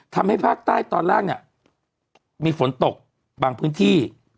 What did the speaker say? ทำให้ภาคใต้ตอนล่างเนี่ยมีฝนตกบางพื้นที่